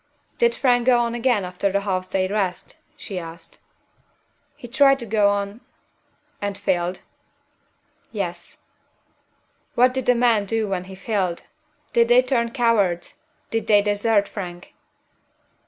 "Did Frank go on again after the half day's rest?" she asked. "He tried to go on " "And failed?" "Yes." "What did the men do when he failed? Did they turn cowards? Did they desert Frank?"